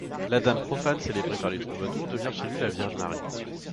La dame profane célébrée par les troubadours devient chez lui la Vierge Marie.